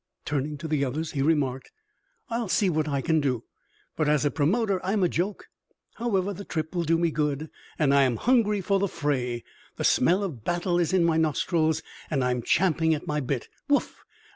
Turning to the others, he remarked: "I'll see what I can do; but as a promoter, I'm a joke. However, the trip will do me good, and I am hungry for the fray; the smell of battle is in my nostrils, and I am champing at my bit. Woof!